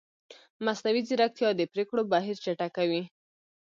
مصنوعي ځیرکتیا د پرېکړو بهیر چټکوي.